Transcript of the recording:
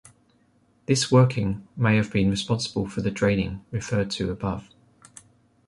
This working may have been responsible for the draining referred to above.